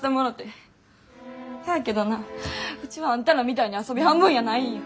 せやけどなウチはあんたらみたいに遊び半分やないんや！